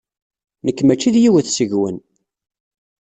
Nekk maci d yiwet seg-wen.